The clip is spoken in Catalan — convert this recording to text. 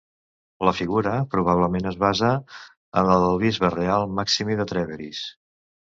La figura, probablement, es basa en la del bisbe real Maximí de Trèveris.